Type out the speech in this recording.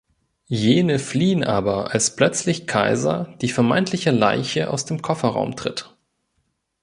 Jene fliehen aber, als plötzlich Kaiser, die vermeintliche Leiche, aus dem Kofferraum tritt.